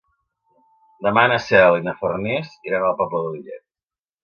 Demà na Cel i na Farners iran a la Pobla de Lillet.